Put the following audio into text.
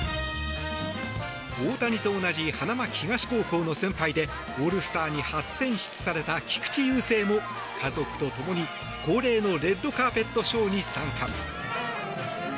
大谷と同じ花巻東高校の先輩でオールスターに初選出された菊池雄星も家族と共に、恒例のレッドカーペットショーに参加。